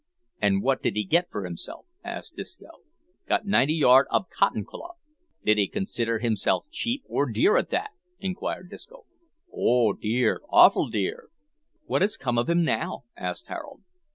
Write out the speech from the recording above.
"An' wot did he get for himself?" asked Disco. "Got ninety yard ob cottin cloth." "Did he consider himself cheap or dear at that?" inquired Disco. "Oh, dear awful dear!" "What has come of him now?" asked Harold.